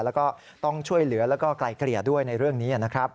แล้วก็ต้องช่วยเหลือแล้วก็ไกลเกลี่ยด้วยในเรื่องนี้นะครับ